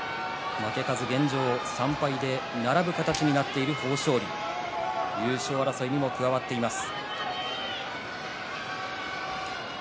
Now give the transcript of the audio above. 現状３敗で並ぶ形になっている豊昇龍、優勝争いにも加わっています。